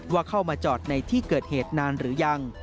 ว่าเข้ามาจอดในที่เกิดเหตุนานหรือยัง